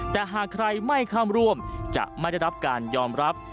แต่หากใครไม่ข้ามร่วมจะไม่ได้รับการยอมรับ